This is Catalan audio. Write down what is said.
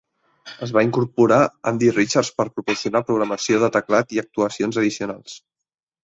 Es va incorporar Andy Richards per proporcionar programació de teclat i actuacions addicionals.